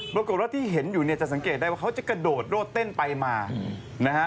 ปรากฏว่าที่เห็นอยู่เนี่ยจะสังเกตได้ว่าเขาจะกระโดดโรดเต้นไปมานะฮะ